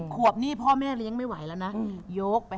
๑๐ขวบนี่พ่อแม่เรียงไม่ไหว่นะ